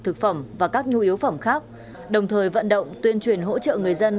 thực phẩm và các nhu yếu phẩm khác đồng thời vận động tuyên truyền hỗ trợ người dân